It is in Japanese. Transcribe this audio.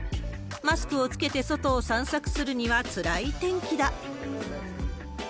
マスクを着けて外を散策するにはつらい天気だ。